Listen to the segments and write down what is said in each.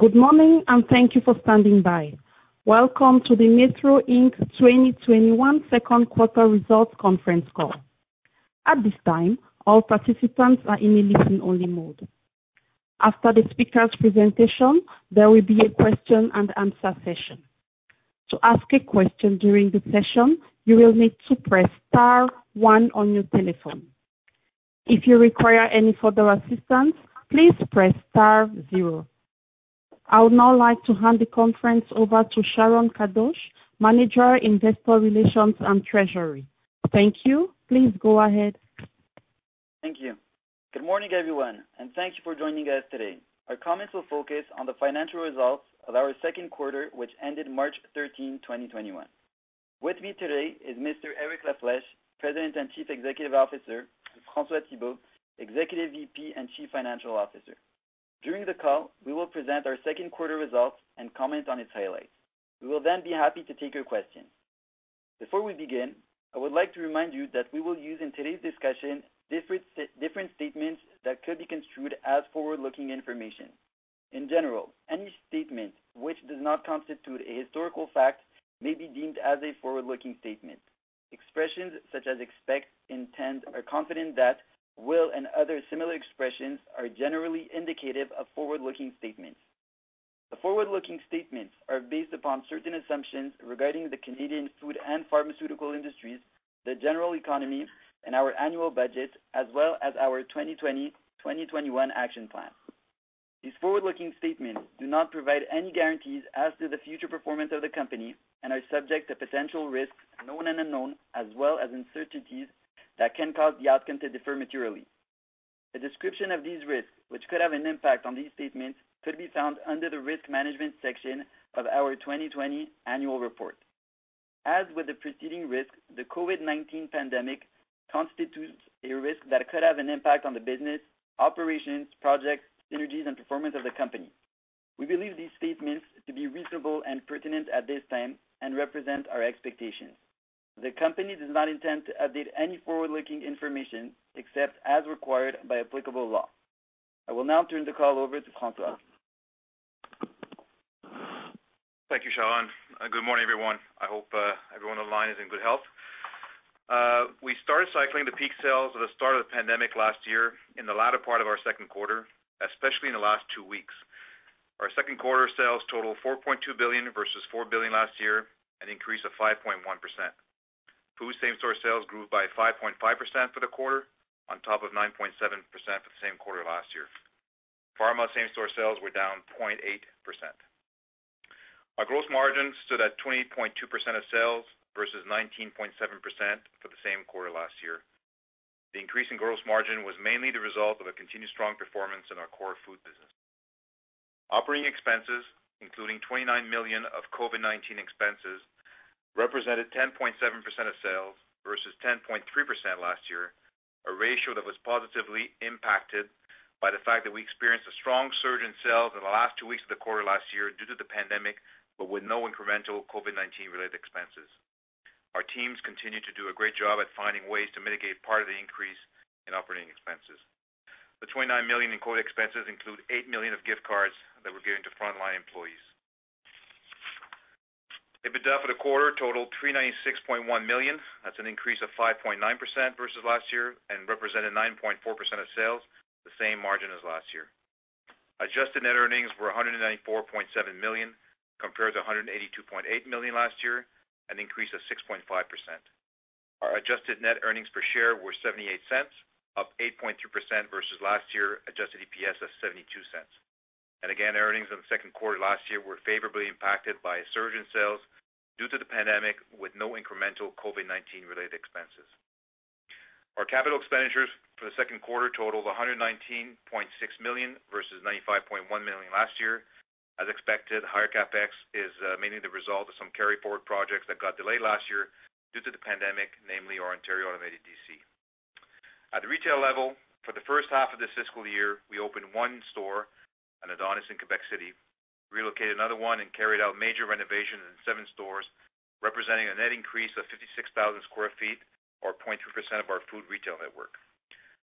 Good morning. Thank you for standing by. Welcome to the Metro Inc. 2021 second quarter results conference call. At this time, all participants are in a listen-only mode. After the speakers' presentation, there will be a question and answer session. To ask a question during the session, you will need to press star one on your telephone. If you require any further assistance, please press star zero. I would now like to hand the conference over to Sharon Kadosh, Manager, Investor Relations and Treasury. Thank you. Please go ahead. Thank you. Good morning, everyone, and thank you for joining us today. Our comments will focus on the financial results of our second quarter, which ended March 13, 2021. With me today is Mr. Eric La Flèche, President and Chief Executive Officer, and François Thibault, Executive VP and Chief Financial Officer. During the call, we will present our second quarter results and comment on its highlights. We will then be happy to take your questions. Before we begin, I would like to remind you that we will use in today's discussion different statements that could be construed as forward-looking information. In general, any statement which does not constitute a historical fact may be deemed as a forward-looking statement. Expressions such as expect, intend, are confident that, will, and other similar expressions are generally indicative of forward-looking statements. The forward-looking statements are based upon certain assumptions regarding the Canadian food and pharmaceutical industries, the general economy, and our annual budget, as well as our 2020-2021 action plan. These forward-looking statements do not provide any guarantees as to the future performance of the company and are subject to potential risks, known and unknown, as well as uncertainties that can cause the outcome to differ materially. A description of these risks, which could have an impact on these statements, could be found under the risk management section of our 2020 annual report. As with the preceding risk, the COVID-19 pandemic constitutes a risk that could have an impact on the business, operations, projects, synergies, and performance of the company. We believe these statements to be reasonable and pertinent at this time and represent our expectations. The company does not intend to update any forward-looking information except as required by applicable law. I will now turn the call over to François. Thank you, Sharon. Good morning, everyone. I hope everyone on the line is in good health. We started cycling the peak sales at the start of the pandemic last year in the latter part of our second quarter, especially in the last two weeks. Our second quarter sales total 4.2 billion versus 4 billion last year, an increase of 5.1%. Food same-store sales grew by 5.5% for the quarter, on top of 9.7% for the same quarter last year. Pharma same-store sales were down 0.8%. Our gross margin stood at 20.2% of sales versus 19.7% for the same quarter last year. The increase in gross margin was mainly the result of a continued strong performance in our core food business. Operating expenses, including 29 million of COVID-19 expenses, represented 10.7% of sales versus 10.3% last year, a ratio that was positively impacted by the fact that we experienced a strong surge in sales in the last two weeks of the quarter last year due to the pandemic, but with no incremental COVID-19 related expenses. Our teams continue to do a great job at finding ways to mitigate part of the increase in operating expenses. The 29 million in COVID expenses include 8 million of gift cards that were given to frontline employees. EBITDA for the quarter totaled 396.1 million. That's an increase of 5.9% versus last year and represented 9.4% of sales, the same margin as last year. Adjusted net earnings were 194.7 million, compared to 182.8 million last year, an increase of 6.5%. Our adjusted net earnings per share were 0.78, up 8.3% versus last year adjusted EPS of 0.72. Again, earnings in the second quarter last year were favorably impacted by a surge in sales due to the pandemic with no incremental COVID-19 related expenses. Our capital expenditures for the second quarter totaled 119.6 million versus 95.1 million last year. As expected, higher CapEx is mainly the result of some carryforward projects that got delayed last year due to the pandemic, namely our Ontario automated DC. At the retail level, for the first half of this fiscal year, we opened one store at Adonis in Quebec City, relocated another one, and carried out major renovations in seven stores, representing a net increase of 56,000 sq ft or 0.2% of our food retail network.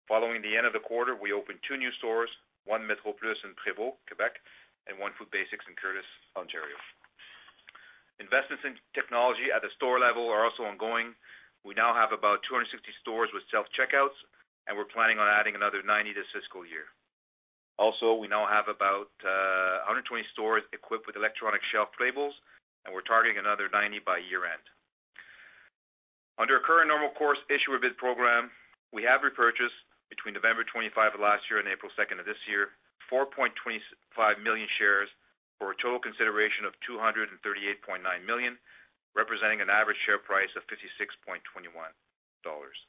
Following the end of the quarter, we opened two new stores, one Metro Plus in Prévost, Quebec, and one Food Basics in Courtice, Ontario. Investments in technology at the store level are also ongoing. We now have about 260 stores with self-checkouts, and we're planning on adding another 90 this fiscal year. Also, we now have about 120 stores equipped with electronic shelf labels, and we're targeting another 90 by year-end. Under our current normal course issuer bid program, we have repurchased between November 25 of last year and April 2nd of this year, 4.25 million shares for a total consideration of 238.9 million, representing an average share price of 56.21 dollars.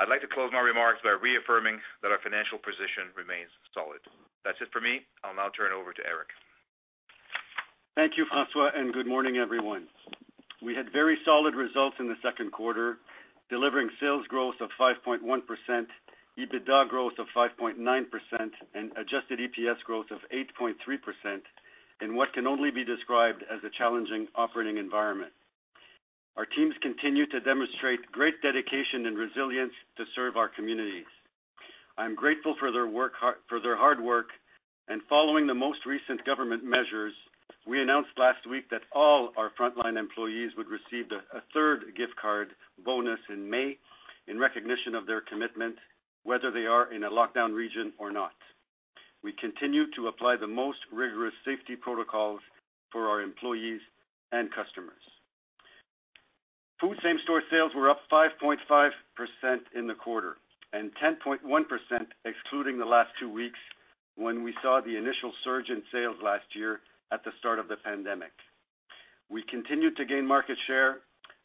I'd like to close my remarks by reaffirming that our financial position remains solid. That's it for me. I'll now turn it over to Eric. Thank you, François. Good morning, everyone. We had very solid results in the second quarter, delivering sales growth of 5.1%, EBITDA growth of 5.9%, and adjusted EPS growth of 8.3% in what can only be described as a challenging operating environment. Our teams continue to demonstrate great dedication and resilience to serve our communities. I'm grateful for their hard work. Following the most recent government measures, we announced last week that all our frontline employees would receive a third gift card bonus in May in recognition of their commitment, whether they are in a lockdown region or not. We continue to apply the most rigorous safety protocols for our employees and customers. Food same store sales were up 5.5% in the quarter, 10.1% excluding the last two weeks, when we saw the initial surge in sales last year at the start of the pandemic. We continued to gain market share.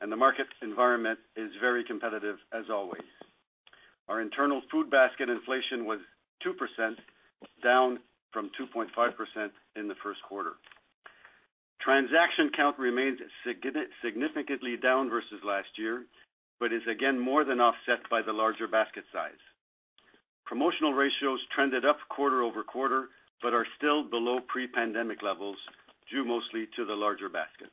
The market environment is very competitive as always. Our internal food basket inflation was 2%, down from 2.5% in the first quarter. Transaction count remains significantly down versus last year, but is again more than offset by the larger basket size. Promotional ratios trended up quarter-over-quarter, but are still below pre-pandemic levels, due mostly to the larger basket.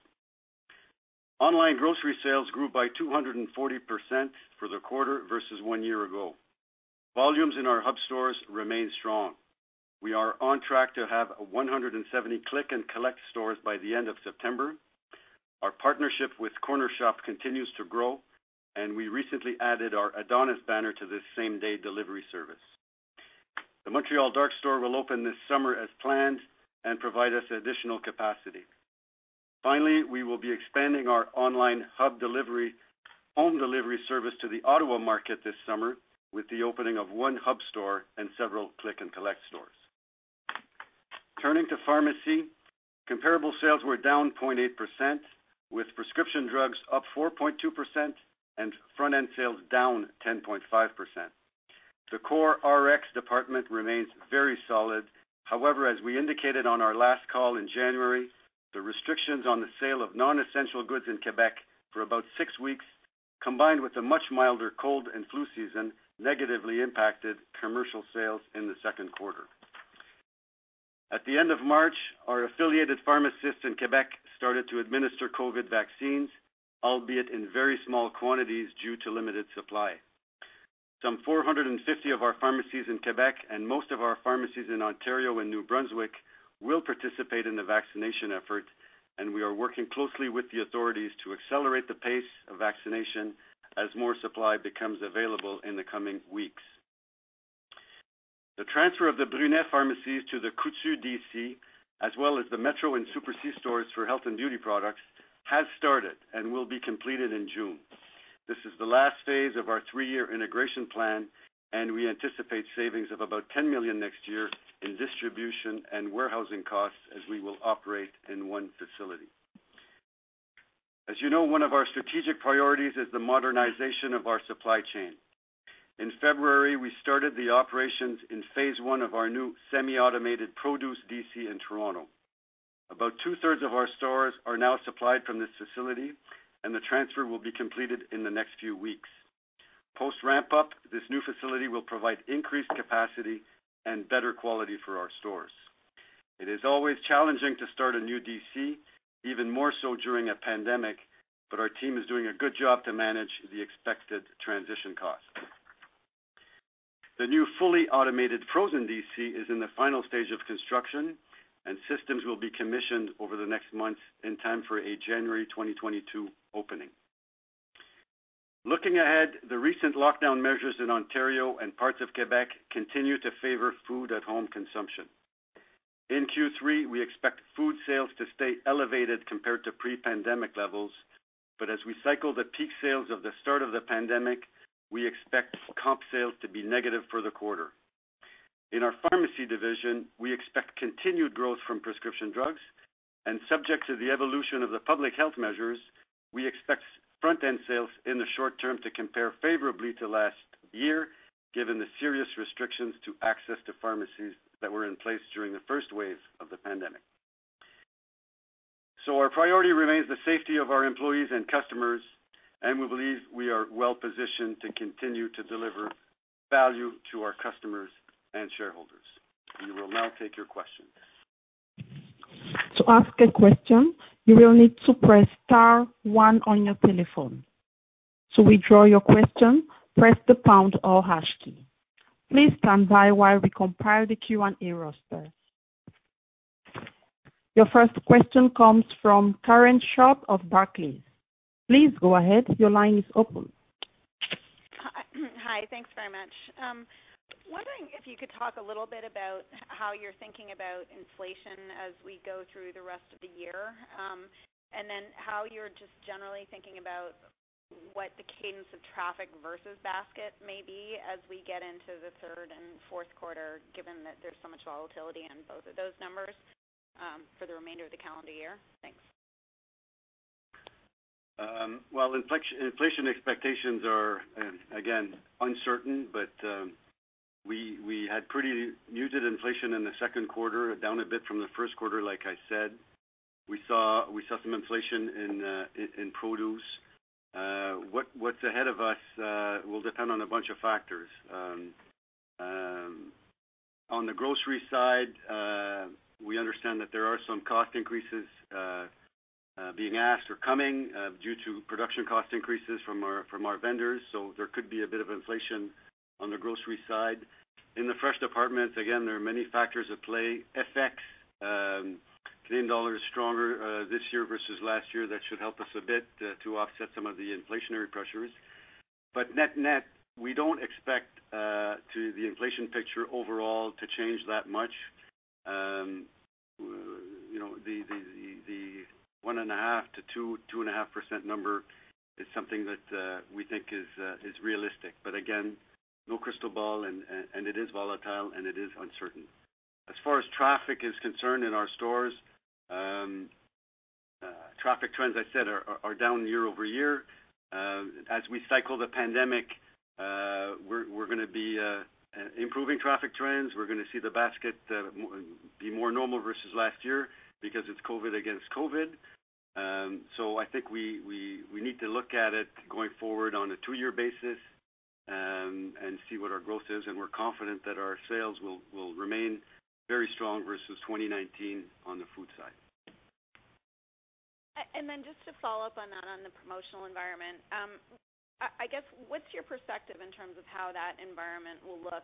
Online grocery sales grew by 240% for the quarter versus one year ago. Volumes in our hub stores remain strong. We are on track to have 170 click and collect stores by the end of September. Our partnership with Cornershop continues to grow, and we recently added our Adonis banner to this same-day delivery service. The Montreal dark store will open this summer as planned and provide us additional capacity. We will be expanding our online hub home delivery service to the Ottawa market this summer with the opening of one hub store and several click and collect stores. Turning to pharmacy, comparable sales were down 0.8%, with prescription drugs up 4.2% and front-end sales down 10.5%. The core RX department remains very solid. As we indicated on our last call in January, the restrictions on the sale of non-essential goods in Quebec for about six weeks, combined with a much milder cold and flu season, negatively impacted commercial sales in the second quarter. At the end of March, our affiliated pharmacists in Quebec started to administer COVID vaccines, albeit in very small quantities due to limited supply. Some 450 of our pharmacies in Quebec and most of our pharmacies in Ontario and New Brunswick will participate in the vaccination effort, and we are working closely with the authorities to accelerate the pace of vaccination as more supply becomes available in the coming weeks. The transfer of the Brunet pharmacies to the Coutu DC, as well as the Metro and Super C stores for health and beauty products, has started and will be completed in June. This is the last phase of our three-year integration plan, and we anticipate savings of about 10 million next year in distribution and warehousing costs as we will operate in one facility. As you know, one of our strategic priorities is the modernization of our supply chain. In February, we started the operations in phase I of our new semi-automated produce DC in Toronto. About two-thirds of our stores are now supplied from this facility, and the transfer will be completed in the next few weeks. Post-ramp-up, this new facility will provide increased capacity and better quality for our stores. It is always challenging to start a new DC, even more so during a pandemic, but our team is doing a good job to manage the expected transition costs. The new fully automated frozen DC is in the final stage of construction and systems will be commissioned over the next month in time for a January 2022 opening. Looking ahead, the recent lockdown measures in Ontario and parts of Quebec continue to favor food at-home consumption. In Q3, we expect food sales to stay elevated compared to pre-pandemic levels, but as we cycle the peak sales of the start of the pandemic, we expect comp sales to be negative for the quarter. In our pharmacy division, we expect continued growth from prescription drugs, and subject to the evolution of the public health measures, we expect front-end sales in the short term to compare favorably to last year, given the serious restrictions to access to pharmacies that were in place during the first waves of the pandemic. Our priority remains the safety of our employees and customers, and we believe we are well-positioned to continue to deliver value to our customers and shareholders. We will now take your questions. Your first question comes from Karen Short of Barclays. Please go ahead. Your line is open. Hi. Thanks very much. Wondering if you could talk a little bit about how you're thinking about inflation as we go through the rest of the year, and then how you're just generally thinking about what the cadence of traffic versus basket may be as we get into the third and fourth quarter, given that there's so much volatility on both of those numbers, for the remainder of the calendar year. Thanks. Well, inflation expectations are, again, uncertain, but we had pretty muted inflation in the second quarter, down a bit from the first quarter, like I said. We saw some inflation in produce. What's ahead of us will depend on a bunch of factors. On the grocery side, we understand that there are some cost increases being asked or coming due to production cost increases from our vendors. There could be a bit of inflation on the grocery side. In the fresh department, again, there are many factors at play. FX, Canadian dollar is stronger this year versus last year. That should help us a bit to offset some of the inflationary pressures. Net-net, we don't expect the inflation picture overall to change that much. The 1.5%-2%, 2.5% number is something that we think is realistic. Again, no crystal ball, and it is volatile and it is uncertain. As far as traffic is concerned in our stores, traffic trends I said are down year-over-year. As we cycle the pandemic, we're going to be improving traffic trends. We're going to see the basket be more normal versus last year because it's COVID-19 against COVID-19. I think we need to look at it going forward on a two-year basis and see what our growth is, and we're confident that our sales will remain very strong versus 2019 on the food side. Just to follow up on that on the promotional environment. I guess, what's your perspective in terms of how that environment will look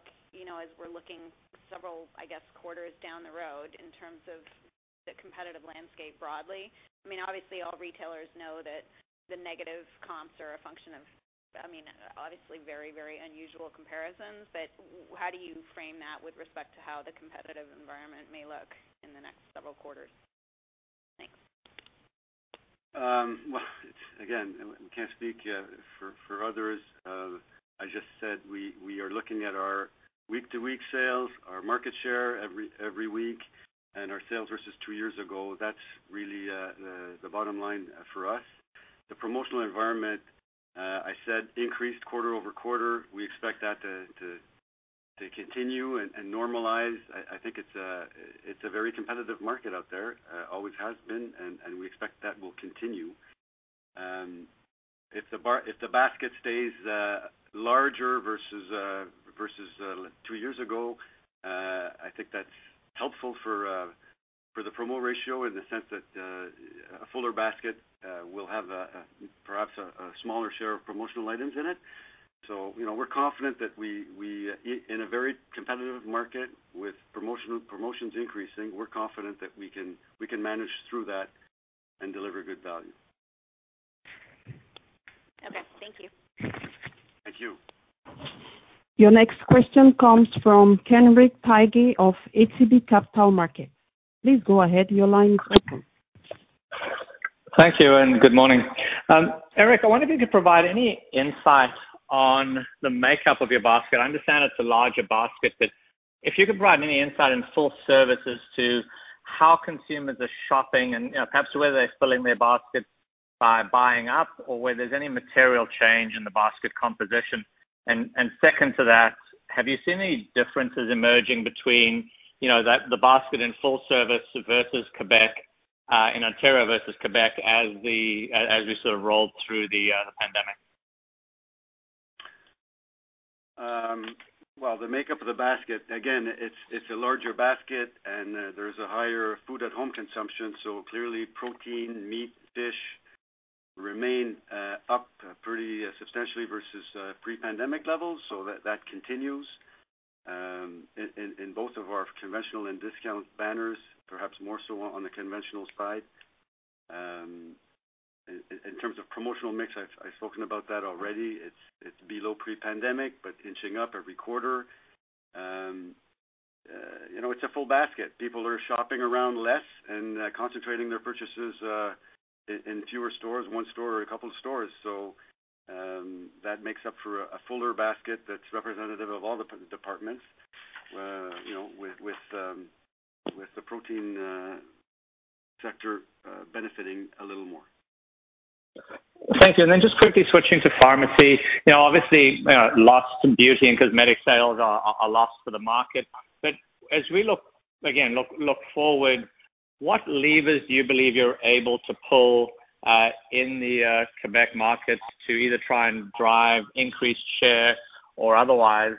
as we're looking several, I guess, quarters down the road in terms of the competitive landscape broadly? Obviously, all retailers know that the negative comps are a function of, obviously, very unusual comparisons, but how do you frame that with respect to how the competitive environment may look in the next several quarters? Thanks. Well, again, we can't speak for others. I just said we are looking at our week-to-week sales, our market share every week, and our sales versus two years ago. That's really the bottom line for us. The promotional environment, I said, increased quarter-over-quarter. We expect that to continue and normalize. I think it's a very competitive market out there, always has been, and we expect that will continue. If the basket stays larger versus two years ago, I think that's helpful for the promo ratio in the sense that a fuller basket will have perhaps a smaller share of promotional items in it. We're confident that in a very competitive market with promotions increasing, we're confident that we can manage through that and deliver good value. Okay. Thank you. Thank you. Your next question comes from Kenrick Tyghe of ATB Capital Markets. Please go ahead, your line is open. Thank you, and good morning. Eric, I wonder if you could provide any insight on the makeup of your basket. I understand it's a larger basket, but if you could provide any insight in full services to how consumers are shopping and perhaps whether they're filling their baskets by buying up or whether there's any material change in the basket composition. Second to that, have you seen any differences emerging between the basket in full service versus Quebec, in Ontario versus Quebec as we sort of rolled through the pandemic? The makeup of the basket, again, it's a larger basket and there's a higher food-at-home consumption, clearly protein, meat, fish remain up pretty substantially versus pre-pandemic levels. That continues in both of our conventional and discount banners, perhaps more so on the conventional side. In terms of promotional mix, I've spoken about that already. It's below pre-pandemic, inching up every quarter. It's a full basket. People are shopping around less and concentrating their purchases in fewer stores, one store or a couple of stores. That makes up for a fuller basket that's representative of all the departments with the protein sector benefiting a little more. Okay. Thank you. Just quickly switching to pharmacy. Obviously, loss to beauty and cosmetic sales are a loss for the market. As we, again, look forward, what levers do you believe you're able to pull in the Quebec market to either try and drive increased share or otherwise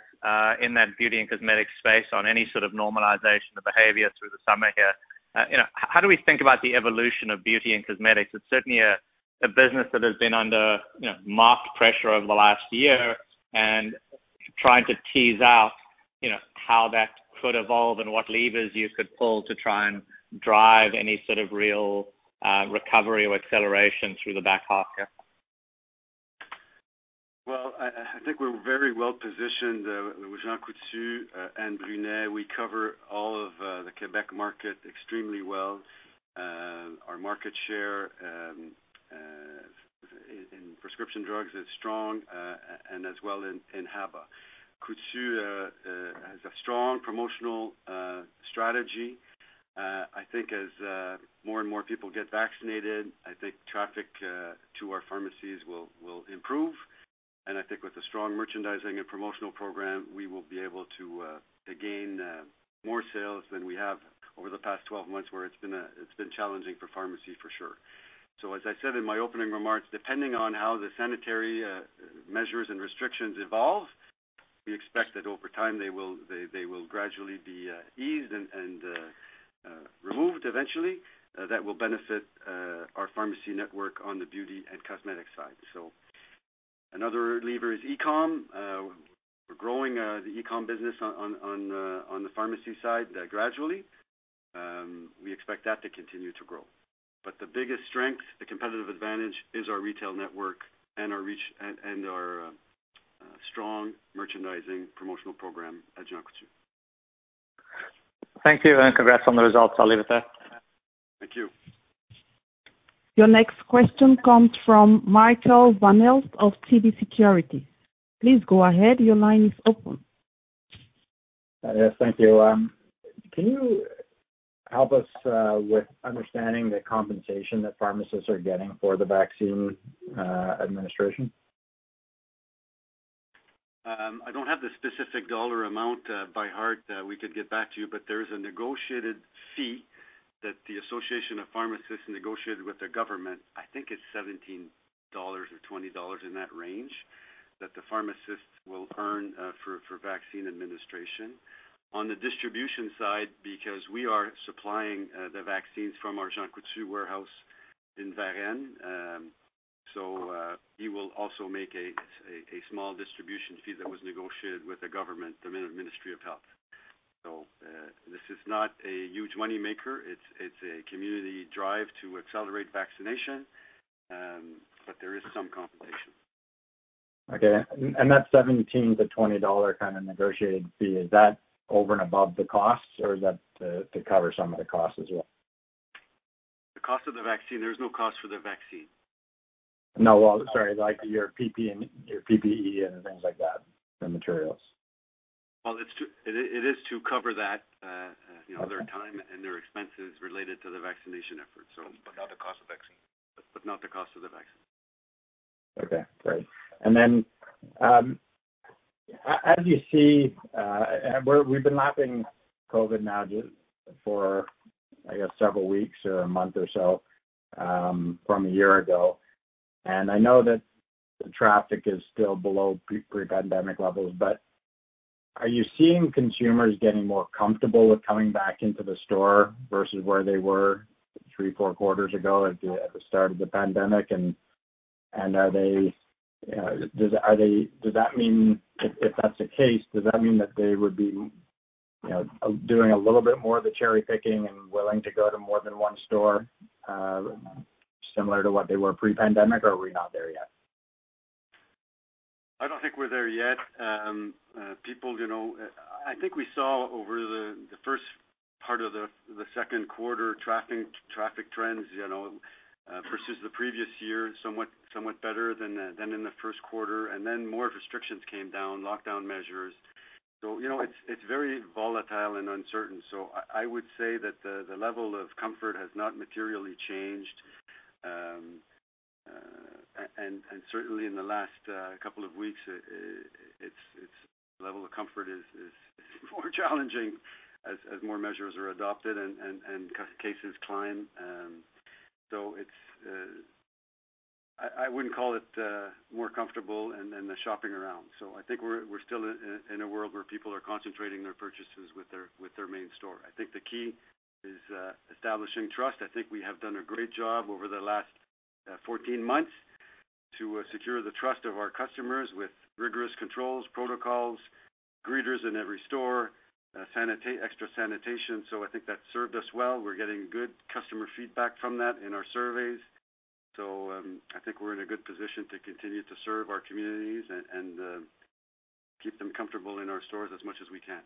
in that beauty and cosmetic space on any sort of normalization of behavior through the summer here? How do we think about the evolution of beauty and cosmetics? It's certainly a business that has been under marked pressure over the last year, and trying to tease out how that could evolve and what levers you could pull to try and drive any sort of real recovery or acceleration through the back half here. Well, I think we're very well-positioned with Jean Coutu and Brunet. We cover all of the Quebec market extremely well. Our market share in prescription drugs is strong and as well in HABA. Coutu has a strong promotional strategy. I think as more and more people get vaccinated, I think traffic to our pharmacies will improve. I think with a strong merchandising and promotional program, we will be able to gain more sales than we have over the past 12 months where it's been challenging for pharmacy for sure. As I said in my opening remarks, depending on how the sanitary measures and restrictions evolve, we expect that over time, they will gradually be eased and removed eventually. That will benefit our pharmacy network on the beauty and cosmetic side. Another lever is e-com. We're growing the e-com business on the pharmacy side gradually. We expect that to continue to grow. The biggest strength, the competitive advantage, is our retail network and our strong merchandising promotional program at Jean Coutu. Thank you, and congrats on the results. I'll leave it there. Thank you. Your next question comes from Michael Van Aelst of TD Cowen. Please go ahead. Your line is open. Yes, thank you. Can you help us with understanding the compensation that pharmacists are getting for the vaccine administration? I don't have the specific dollar amount by heart. We could get back to you, but there is a negotiated fee that the Association of Pharmacists negotiated with the government. I think it's 17 dollars or 20 dollars, in that range, that the pharmacists will earn for vaccine administration. On the distribution side, because we are supplying the vaccines from our Jean Coutu warehouse in Varennes, so we will also make a small distribution fee that was negotiated with the government, the Ministry of Health. This is not a huge money maker. It's a community drive to accelerate vaccination, but there is some compensation. Okay. That 17-20 dollar kind of negotiated fee, is that over and above the costs, or is that to cover some of the costs as well? The cost of the vaccine, there is no cost for the vaccine. No. Well, sorry, like your PPE and things like that, the materials. Well, it is to cover that. Okay their time and their expenses related to the vaccination efforts. Not the cost of vaccine. Not the cost of the vaccine. Okay, great. As you see, we've been lapping COVID now for, I guess, several weeks or a month or so from a year ago. I know that the traffic is still below pre-pandemic levels, but are you seeing consumers getting more comfortable with coming back into the store versus where they were three, four quarters ago at the start of the pandemic? If that's the case, does that mean that they would be doing a little bit more of the cherry-picking and willing to go to more than one store, similar to what they were pre-pandemic, or are we not there yet? I don't think we're there yet. I think we saw over the first part of the second quarter traffic trends, versus the previous year, somewhat better than in the first quarter, and then more restrictions came down, lockdown measures. It's very volatile and uncertain. I would say that the level of comfort has not materially changed. Certainly, in the last couple of weeks, its level of comfort is more challenging as more measures are adopted and cases climb. I wouldn't call it more comfortable and the shopping around. I think we're still in a world where people are concentrating their purchases with their main store. I think the key is establishing trust. I think we have done a great job over the last 14 months to secure the trust of our customers with rigorous controls, protocols, greeters in every store, extra sanitation. I think that's served us well. We're getting good customer feedback from that in our surveys. I think we're in a good position to continue to serve our communities and keep them comfortable in our stores as much as we can.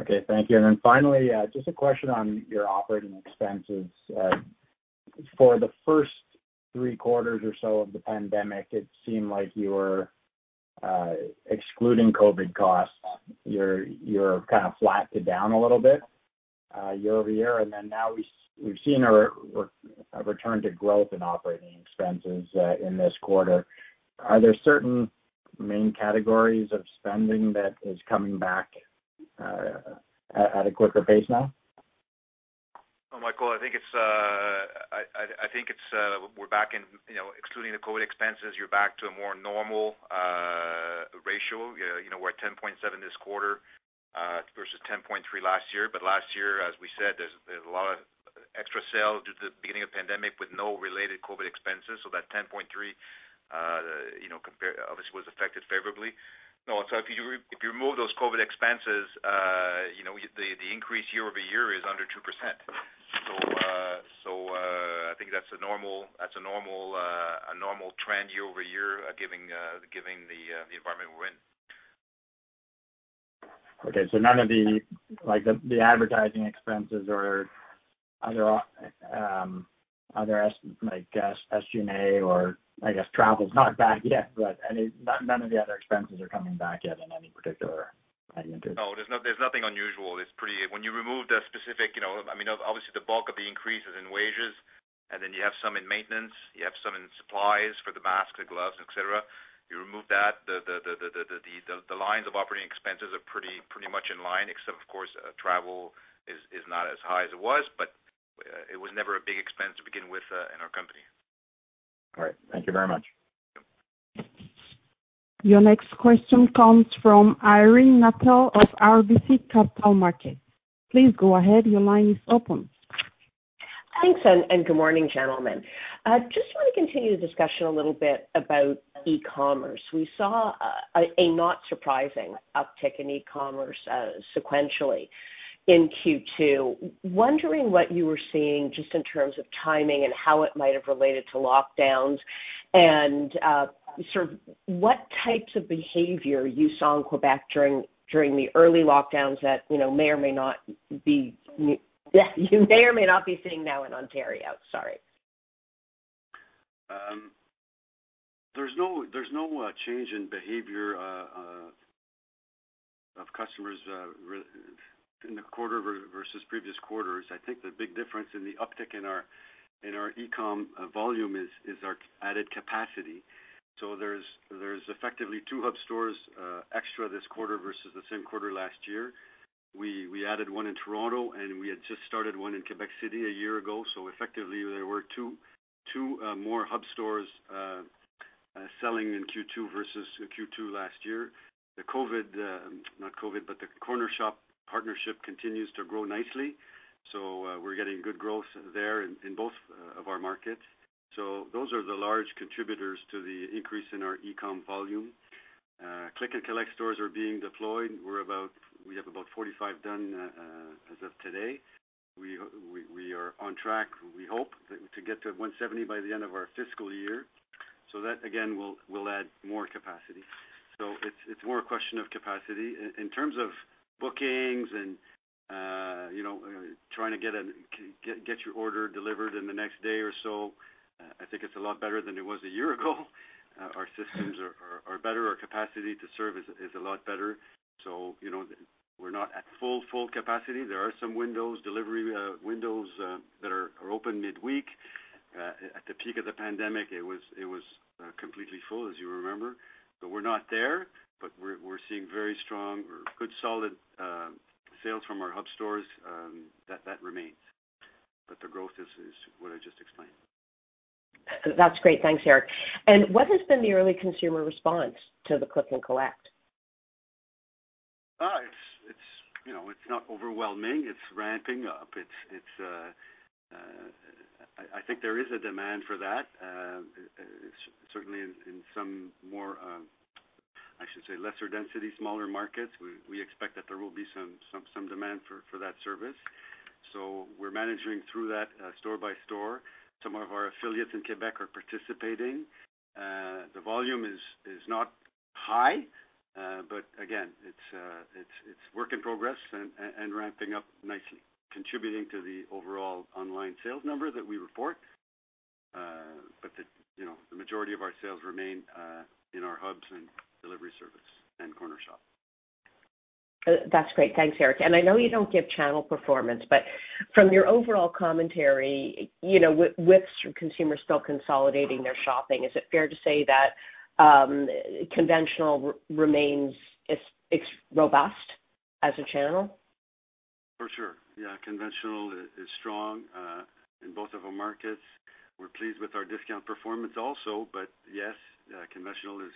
Okay, thank you. Finally, just a question on your operating expenses. For the first three quarters or so of the pandemic, it seemed like you were excluding COVID costs. You're kind of flat to down a little bit year-over-year. Now we've seen a return to growth in operating expenses in this quarter. Are there certain main categories of spending that is coming back at a quicker pace now? Michael, I think excluding the COVID expenses, you're back to a more normal ratio. We're at 10.7 this quarter versus 10.3 last year. Last year, as we said, there was a lot of extra sales due to the beginning of pandemic with no related COVID expenses. That 10.3 obviously was affected favorably. If you remove those COVID expenses, the increase year-over-year is under 2%. I think that's a normal trend year-over-year, given the environment we're in. None of the advertising expenses or other, like SG&A or, I guess travel's not back yet, but none of the other expenses are coming back yet in any particular magnitude. There's nothing unusual. Obviously, the bulk of the increase is in wages, then you have some in maintenance, you have some in supplies for the masks, the gloves, et cetera. You remove that, the lines of operating expenses are pretty much in line except, of course, travel is not as high as it was, it was never a big expense to begin with in our company. All right. Thank you very much. Your next question comes from Irene Nattel of RBC Capital Markets. Please go ahead. Your line is open. Thanks. Good morning, gentlemen. Just want to continue the discussion a little bit about e-commerce. We saw a not surprising uptick in e-commerce sequentially in Q2. Wondering what you were seeing just in terms of timing and how it might have related to lockdowns and what types of behavior you saw in Quebec during the early lockdowns that you may or may not be seeing now in Ontario? Sorry. There's no change in behavior of customers in the quarter versus previous quarters. I think the big difference in the uptick in our e-com volume is our added capacity. There's effectively 2 hub stores extra this quarter versus the same quarter last year. We added one in Toronto, and we had just started one in Quebec City a year ago. Effectively, there were two more hub stores selling in Q2 versus Q2 last year. The Cornershop partnership continues to grow nicely, so we're getting good growth there in both of our markets. Click and collect stores are being deployed. We have about 45 done as of today. We are on track, we hope, to get to 170 by the end of our fiscal year. That again, will add more capacity. It's more a question of capacity. In terms of bookings and trying to get your order delivered in the next day or so, I think it's a lot better than it was a year ago. Our systems are better, our capacity to serve is a lot better. We're not at full capacity. There are some delivery windows that are open midweek. At the peak of the pandemic, it was completely full, as you remember, but we're not there. We're seeing very strong or good solid sales from our hub stores, that remains. The growth is what I just explained. That's great. Thanks, Eric. What has been the early consumer response to the click and collect? It's not overwhelming. It's ramping up. I think there is a demand for that. Certainly in some more, I should say lesser density, smaller markets, we expect that there will be some demand for that service. We're managing through that store by store. Some of our affiliates in Quebec are participating. The volume is not high, but again, it's work in progress and ramping up nicely, contributing to the overall online sales number that we report. The majority of our sales remain in our hubs and delivery service and Cornershop. That's great. Thanks, Eric. I know you don't give channel performance, but from your overall commentary, with consumers still consolidating their shopping, is it fair to say that conventional remains robust as a channel? For sure, yeah. Conventional is strong in both of our markets. We're pleased with our discount performance also. Yes, conventional is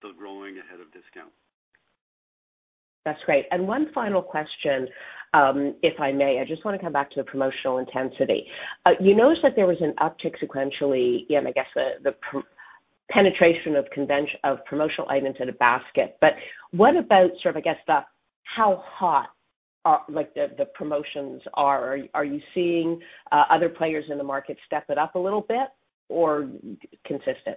still growing ahead of discount. That's great. One final question, if I may. I just want to come back to the promotional intensity. You noticed that there was an uptick sequentially in, I guess, the penetration of promotional items in a basket. What about, I guess, how hot the promotions are? Are you seeing other players in the market step it up a little bit or consistent?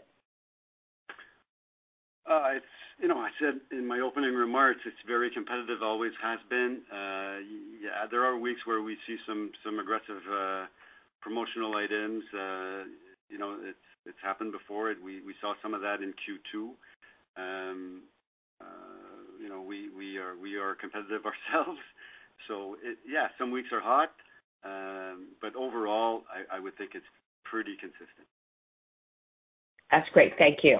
I said in my opening remarks, it's very competitive, always has been. There are weeks where we see some aggressive promotional items. It's happened before. We saw some of that in Q2. We are competitive ourselves so yeah, some weeks are hot. Overall, I would think it's pretty consistent. That's great. Thank you.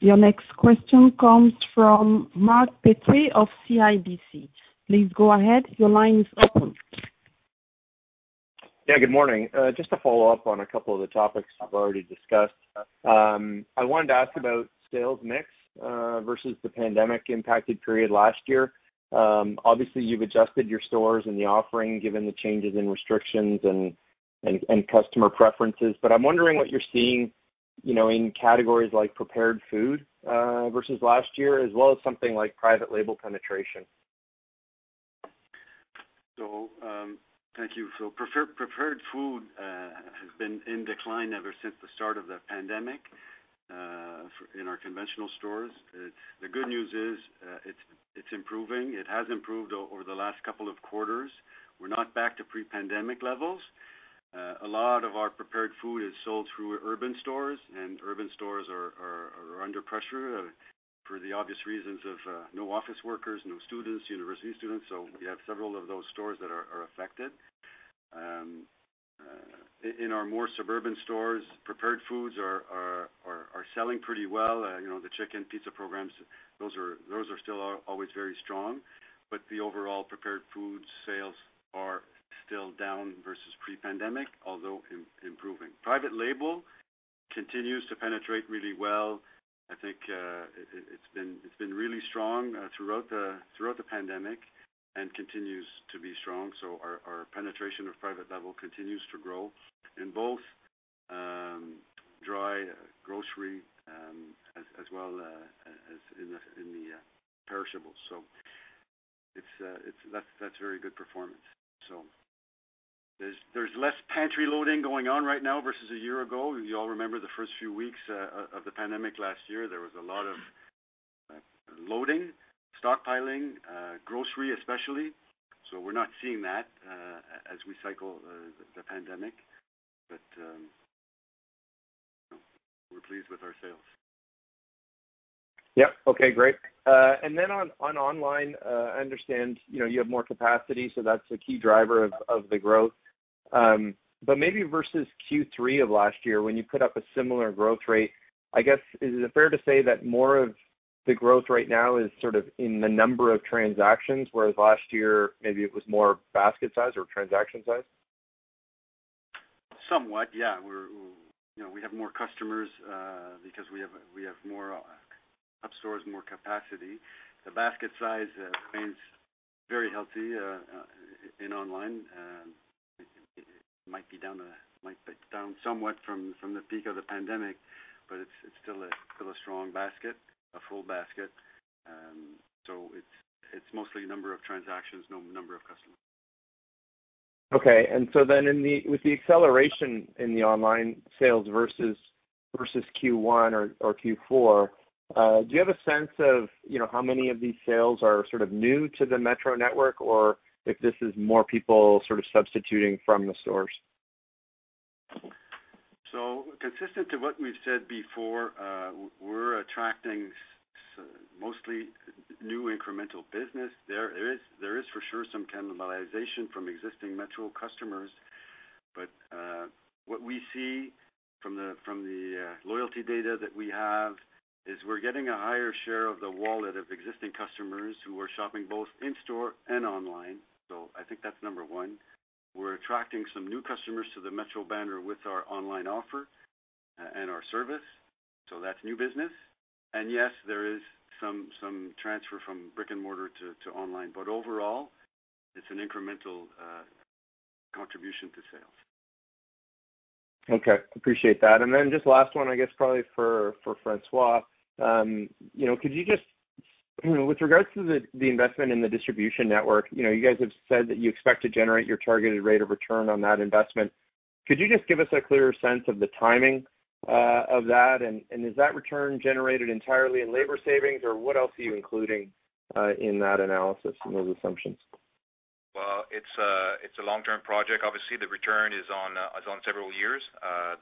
Your next question comes from Mark Petrie of CIBC. Please go ahead. Your line is open. Yeah, good morning. Just to follow up on a couple of the topics you've already discussed. I wanted to ask about sales mix versus the pandemic-impacted period last year. Obviously, you've adjusted your stores and the offering given the changes in restrictions and customer preferences, but I'm wondering what you're seeing in categories like prepared food versus last year as well as something like private label penetration. Thank you. Prepared food has been in decline ever since the start of the pandemic in our conventional stores. The good news is it's improving. It has improved over the last couple of quarters. We're not back to pre-pandemic levels. A lot of our prepared food is sold through urban stores. Urban stores are under pressure for the obvious reasons of no office workers, no students, university students. We have several of those stores that are affected. In our more suburban stores, prepared foods are selling pretty well. The chicken pizza programs, those are still always very strong. The overall prepared food sales are still down versus pre-pandemic, although improving. Private label continues to penetrate really well. I think it's been really strong throughout the pandemic and continues to be strong. Our penetration of private label continues to grow in both dry grocery, as well as in the perishables. That's very good performance. There's less pantry loading going on right now versus a year ago. You all remember the first few weeks of the pandemic last year, there was a lot of loading, stockpiling, grocery especially. We're not seeing that as we cycle the pandemic, but we're pleased with our sales. Yep. Okay, great. On online, I understand you have more capacity, so that's a key driver of the growth. Maybe versus Q3 of last year, when you put up a similar growth rate, I guess, is it fair to say that more of the growth right now is sort of in the number of transactions, whereas last year maybe it was more basket size or transaction size? Somewhat, yeah. We have more customers, because we have more up stores, more capacity. The basket size remains very healthy in online. It might be down somewhat from the peak of the pandemic, but it's still a strong basket, a full basket. It's mostly number of transactions, number of customers. Okay. With the acceleration in the online sales versus Q1 or Q4, do you have a sense of how many of these sales are sort of new to the Metro network, or if this is more people sort of substituting from the stores? Consistent to what we've said before, we're attracting mostly new incremental business. There is for sure some cannibalization from existing Metro customers. What we see from the loyalty data that we have is we're getting a higher share of the wallet of existing customers who are shopping both in-store and online. I think that's number one. We're attracting some new customers to the Metro banner with our online offer and our service, so that's new business. Yes, there is some transfer from brick and mortar to online, but overall, it's an incremental contribution to sales. Okay. Appreciate that. Just last one, I guess probably for François. With regards to the investment in the distribution network, you guys have said that you expect to generate your targeted rate of return on that investment. Could you just give us a clearer sense of the timing of that, and is that return generated entirely in labor savings, or what else are you including in that analysis and those assumptions? Well, it's a long-term project. Obviously, the return is on several years.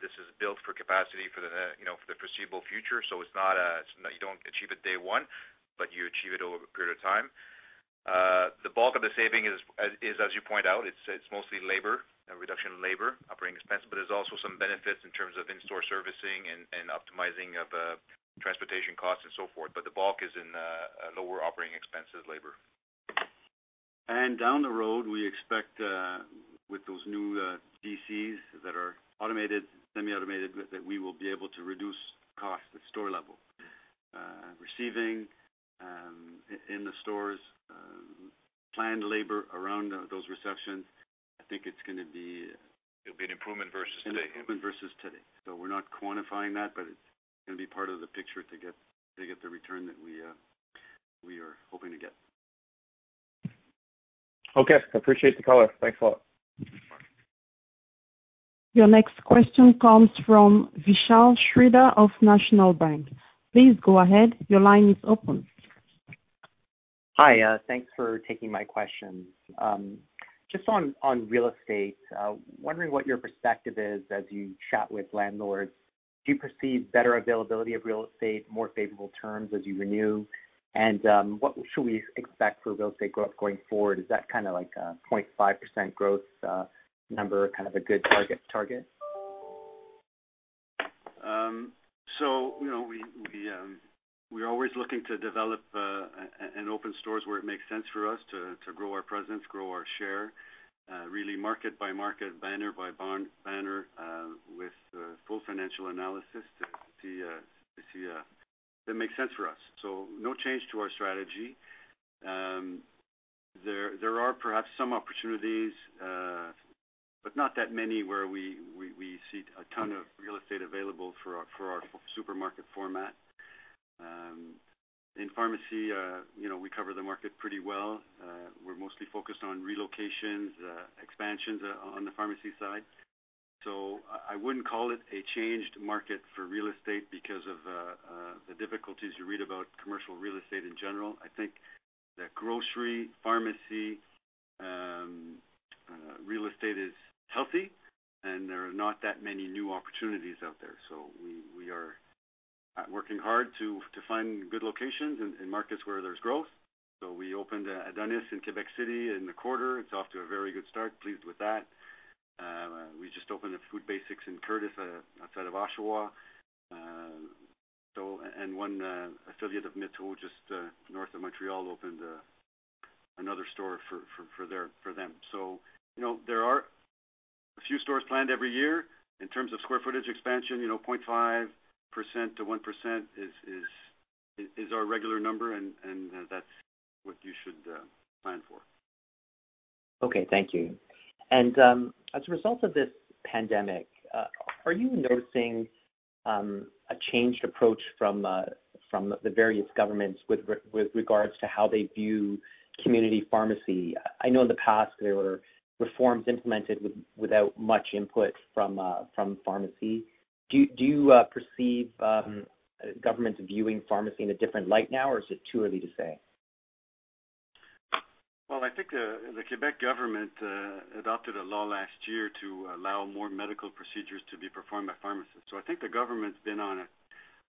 This is built for capacity for the foreseeable future. You don't achieve it day one, but you achieve it over a period of time. The bulk of the saving is, as you point out, it's mostly labor, a reduction in labor, operating expense, but there's also some benefits in terms of in-store servicing and optimizing of transportation costs and so forth. The bulk is in lower operating expenses, labor. Down the road, we expect with those new DCs that are automated, semi-automated, that we will be able to reduce cost at store level, receiving in the stores, planned labor around those receptions. It'll be an improvement versus today. an improvement versus today. We're not quantifying that, but it's going to be part of the picture to get the return that we are hoping to get. Okay. Appreciate the color. Thanks a lot. Your next question comes from Vishal Shreedhar of National Bank. Please go ahead. Your line is open. Hi. Thanks for taking my questions. On real estate, wondering what your perspective is as you chat with landlords. Do you perceive better availability of real estate, more favorable terms as you renew? What should we expect for real estate growth going forward? Is that kind of like a 25% growth number, kind of a good target? We're always looking to develop and open stores where it makes sense for us to grow our presence, grow our share, really market by market, banner by banner, with full financial analysis to see that makes sense for us. There are perhaps some opportunities, but not that many where we see a ton of real estate available for our supermarket format. In pharmacy we cover the market pretty well. We're mostly focused on relocations, expansions on the pharmacy side. I wouldn't call it a changed market for real estate because of the difficulties you read about commercial real estate in general. I think that grocery, pharmacy, real estate is healthy and there are not that many new opportunities out there. We are working hard to find good locations in markets where there's growth. We opened Adonis in Quebec City in the quarter. It's off to a very good start, pleased with that. We just opened a Food Basics in Courtice outside of Oshawa. One affiliate of Metro just north of Montreal opened another store for them. There are a few stores planned every year. In terms of square footage expansion, 0.5%-1% is our regular number, and that's what you should plan for. Okay, thank you. As a result of this pandemic, are you noticing a changed approach from the various governments with regards to how they view community pharmacy? I know in the past, there were reforms implemented without much input from pharmacy. Do you perceive governments viewing pharmacy in a different light now, or is it too early to say? I think the Quebec government adopted a law last year to allow more medical procedures to be performed by pharmacists. I think the government's been on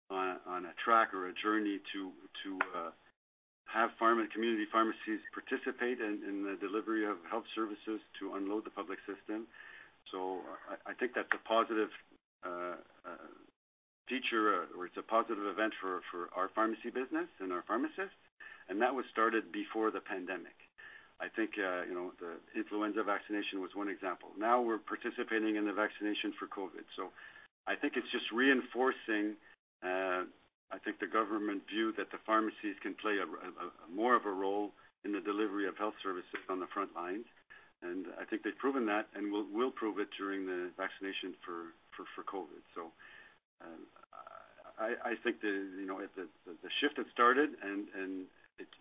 a track or a journey to have community pharmacies participate in the delivery of health services to unload the public system. I think that's a positive feature or it's a positive event for our pharmacy business and our pharmacists, and that was started before the pandemic. I think the influenza vaccination was one example. Now we're participating in the vaccination for COVID. I think it's just reinforcing the government view that the pharmacies can play more of a role in the delivery of health services on the front lines. I think they've proven that and will prove it during the vaccination for COVID. I think the shift has started, and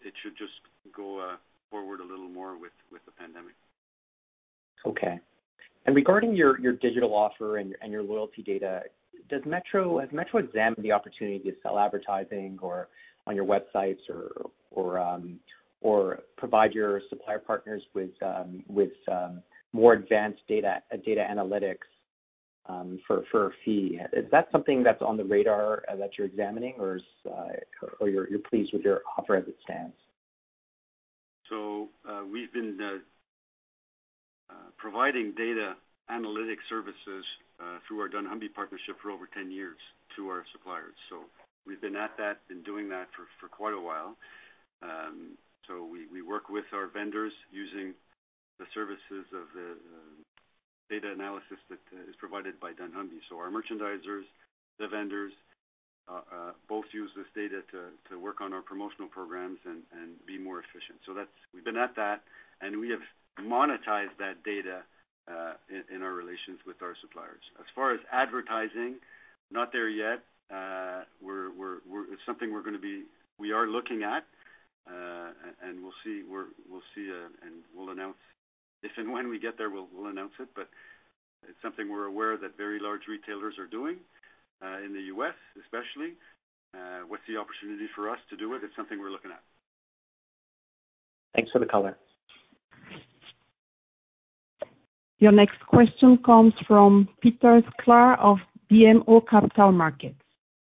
it should just go forward a little more with the pandemic. Okay. Regarding your digital offer and your loyalty data, has Metro examined the opportunity to sell advertising on your websites or provide your supplier partners with more advanced data analytics for a fee? Is that something that's on the radar that you're examining, or you're pleased with your offer as it stands? We've been providing data analytics services through our dunnhumby partnership for over 10 years to our suppliers. We've been at that, been doing that for quite a while. We work with our vendors using the services of the data analysis that is provided by dunnhumby. Our merchandisers, the vendors, both use this data to work on our promotional programs and be more efficient. We've been at that, and we have monetized that data in our relations with our suppliers. As far as advertising, not there yet. It's something we are looking at. If and when we get there, we'll announce it. It's something we're aware that very large retailers are doing, in the U.S. especially. What's the opportunity for us to do it? It's something we're looking at. Thanks for the color. Your next question comes from Peter Sklar of BMO Capital Markets.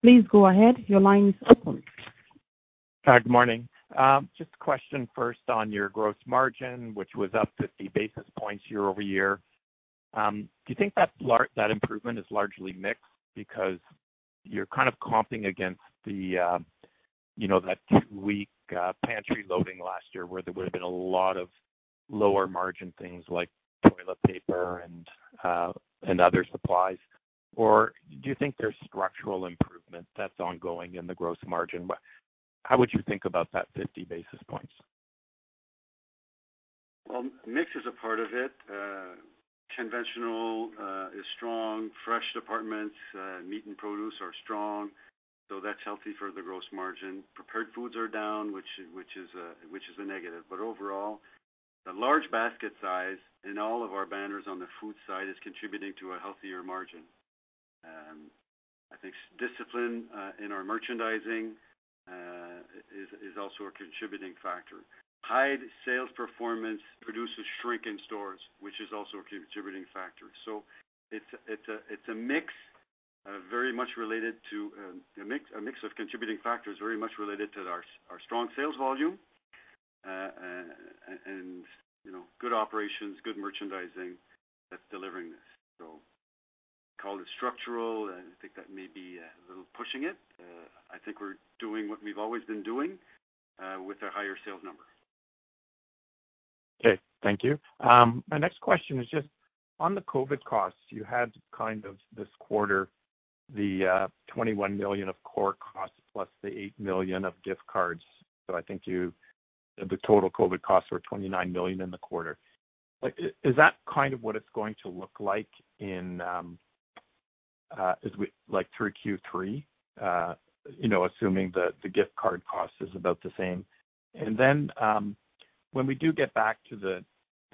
Please go ahead. Your line is open. Hi, good morning. Just a question first on your gross margin, which was up 50 basis points year-over-year. Do you think that improvement is largely mixed because you're kind of comping against that two-week pantry loading last year where there would've been a lot of lower-margin things like toilet paper and other supplies? Do you think there's structural improvement that's ongoing in the gross margin? How would you think about that 50 basis points? Well, mix is a part of it. Conventional is strong. Fresh departments, meat and produce are strong, so that's healthy for the gross margin. Prepared foods are down, which is a negative. Overall, the large basket size in all of our banners on the food side is contributing to a healthier margin. I think discipline in our merchandising is also a contributing factor. High sales performance produces shrink in stores, which is also a contributing factor. It's a mix of contributing factors very much related to our strong sales volume and good operations, good merchandising that's delivering this. Call it structural, I think that may be a little pushing it. I think we're doing what we've always been doing with a higher sales number. Okay. Thank you. My next question is just on the COVID costs. You had this quarter, the 21 million of core costs plus the 8 million of gift cards, so I think the total COVID costs were 29 million in the quarter. Is that what it's going to look like through Q3, assuming the gift card cost is about the same? When we do get back to the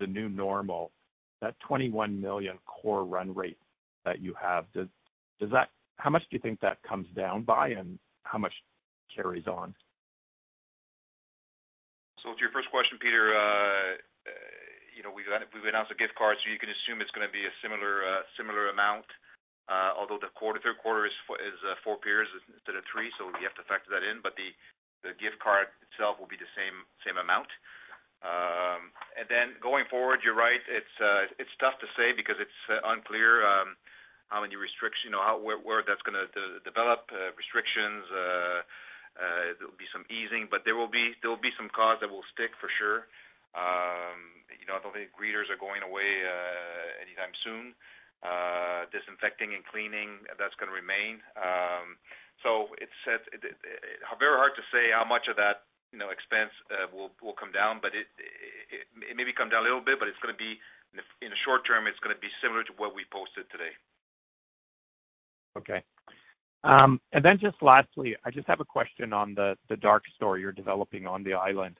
new normal, that 21 million core run rate that you have, how much do you think that comes down by, and how much carries on? We've announced a gift card, so you can assume it's going to be a similar amount. Although the third quarter is four periods instead of three, so you have to factor that in, but the gift card itself will be the same amount. Going forward, you're right. It's tough to say because it's unclear how many restrictions, where that's going to develop, restrictions. There'll be some easing, but there will be some costs that will stick for sure. I don't think greeters are going away anytime soon. Disinfecting and cleaning, that's going to remain. It's very hard to say how much of that expense will come down. It maybe comes down a little bit, but in the short term, it's going to be similar to what we posted today. Okay. Just lastly, I just have a question on the dark store you're developing on the island.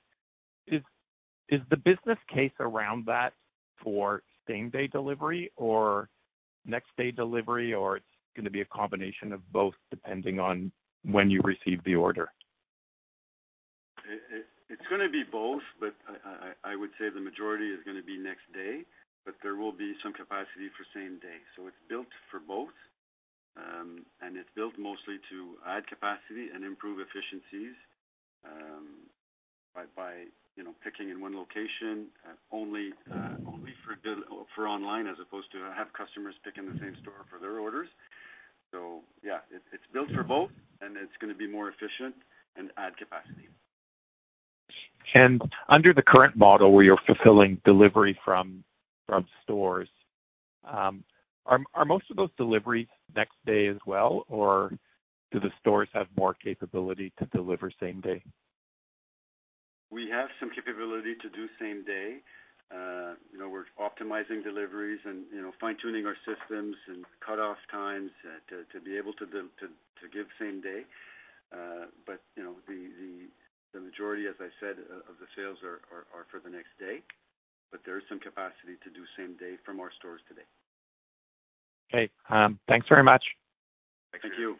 Is the business case around that for same-day delivery or next-day delivery, or it's going to be a combination of both depending on when you receive the order? It's going to be both, but I would say the majority is going to be next day, but there will be some capacity for same day. It's built for both, and it's built mostly to add capacity and improve efficiencies by picking in one location, only for online as opposed to have customers pick in the same store for their orders. Yeah, it's built for both and it's going to be more efficient and add capacity. Under the current model where you're fulfilling delivery from stores, are most of those deliveries next day as well, or do the stores have more capability to deliver same day? We have some capability to do same day. We're optimizing deliveries and fine-tuning our systems and cutoff times to be able to give same day. The majority, as I said, of the sales are for the next day, but there is some capacity to do same day from our stores today. Okay. Thanks very much. Thank you.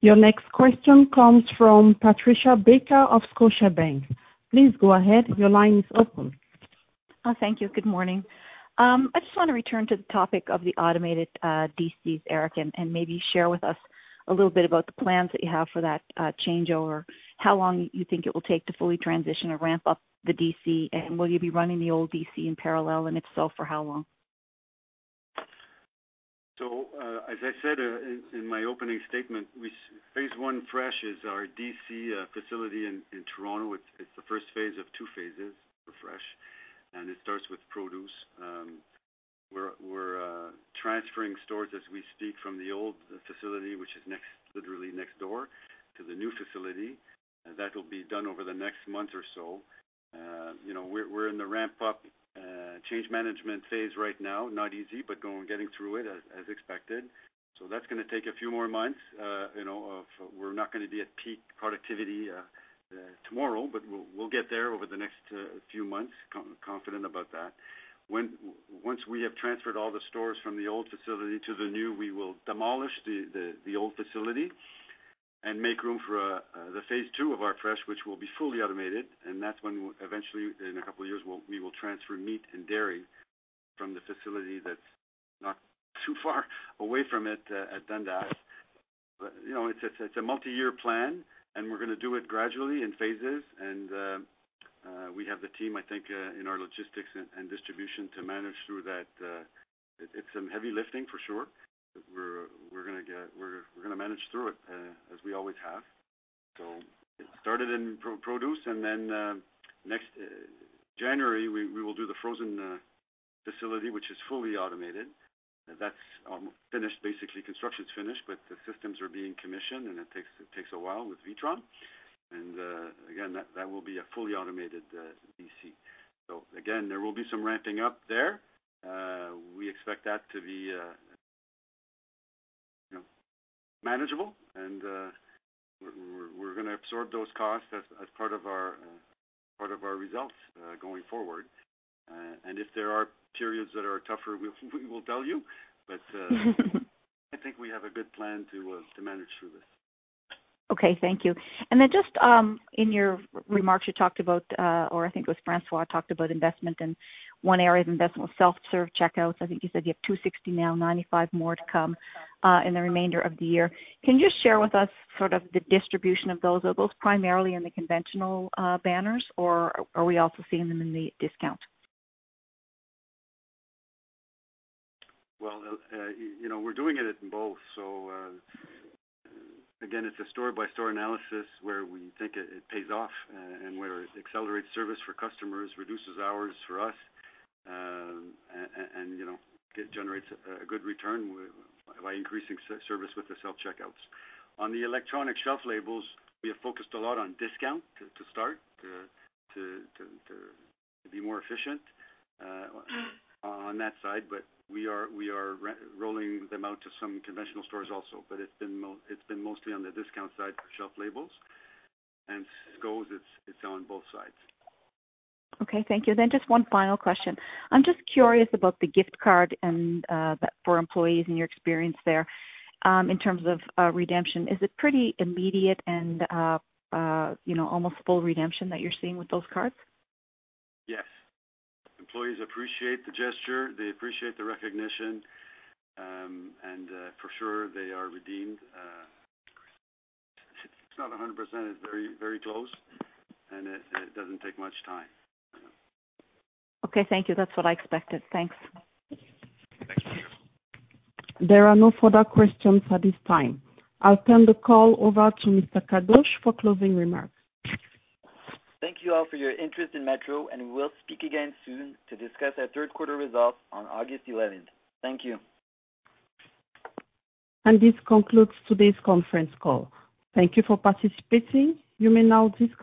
Your next question comes from Patricia Baker of Scotiabank. Please go ahead. Your line is open. Oh, thank you. Good morning. I just want to return to the topic of the automated DCs, Eric, and maybe share with us a little bit about the plans that you have for that changeover. How long you think it will take to fully transition or ramp up the DC, and will you be running the old DC in parallel, and if so, for how long? As I said in my opening statement, phase I Fresh is our DC facility in Toronto. It's the first phase of two phases for Fresh, and it starts with produce. We're transferring stores as we speak from the old facility, which is literally next door to the new facility. That will be done over the next month or so. We're in the ramp-up change management phase right now. Not easy, but getting through it as expected. That's going to take a few more months. We're not going to be at peak productivity tomorrow, but we'll get there over the next few months. Confident about that. Once we have transferred all the stores from the old facility to the new, we will demolish the old facility and make room for the phase II of our Fresh, which will be fully automated, and that's when eventually in a couple of years, we will transfer meat and dairy from the facility that's not too far away from it at Dundas. It's a multi-year plan, and we're going to do it gradually in phases, and we have the team, I think, in our logistics and distribution to manage through that. It's some heavy lifting for sure, but we're going to manage through it as we always have. It started in produce and then next January, we will do the frozen facility, which is fully automated. That's finished, basically. Construction's finished, but the systems are being commissioned and it takes a while with Witron. Again, that will be a fully automated DC. Again, there will be some ramping up there. We expect that to be manageable, and we're going to absorb those costs as part of our results going forward. If there are periods that are tougher, we will tell you. I think we have a good plan to manage through this. Okay. Thank you. Just in your remarks you talked about, or I think it was François talked about investment and one area of investment was self-serve checkouts. I think you said you have 260 now, 95 more to come in the remainder of the year. Can you share with us sort of the distribution of those? Are those primarily in the conventional banners, or are we also seeing them in the discount? Well, we're doing it in both. Again, it's a store-by-store analysis where we think it pays off and where it accelerates service for customers, reduces hours for us, and generates a good return by increasing service with the self-checkouts. On the electronic shelf labels, we have focused a lot on discount to start to be more efficient on that side. We are rolling them out to some conventional stores also. It's been mostly on the discount side for shelf labels, and SKUs, it's on both sides. Okay, thank you. Just one final question. I'm just curious about the gift card for employees and your experience there in terms of redemption. Is it pretty immediate and almost full redemption that you're seeing with those cards? Yes. Employees appreciate the gesture. They appreciate the recognition. For sure, they are redeemed. If it's not 100%, it's very close, and it doesn't take much time. Okay, thank you. That's what I expected. Thanks. Thank you. There are no further questions at this time. I'll turn the call over to Mr. Kadosh for closing remarks. Thank you all for your interest in Metro. We will speak again soon to discuss our third quarter results on August 11th. Thank you. This concludes today's conference call. Thank you for participating. You may now disconnect.